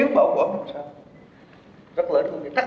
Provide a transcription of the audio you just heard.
được đáp ứng karena